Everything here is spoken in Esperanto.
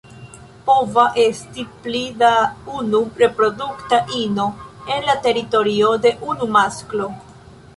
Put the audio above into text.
Pova esti pli da unu reprodukta ino en la teritorio de unu masklo.